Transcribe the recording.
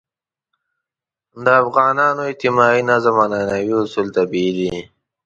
د افغانانو اجتماعي نظم عنعنوي اصول طبیعي دي.